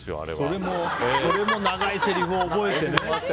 それも長いせりふを覚えてね。